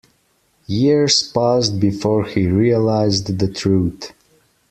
Years passed before he realized the truth.